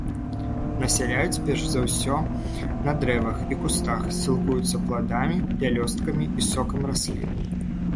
Насяляюць перш за ўсе на дрэвах і кустах, сілкуюцца пладамі, пялёсткамі і сокам раслін.